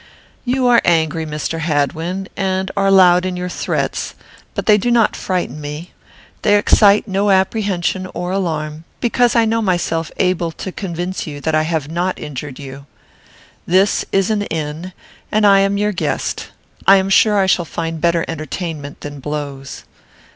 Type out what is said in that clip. "You are angry, Mr. Hadwin, and are loud in your threats; but they do not frighten me. They excite no apprehension or alarm, because I know myself able to convince you that I have not injured you. This is an inn, and I am your guest. I am sure I shall find better entertainment than blows.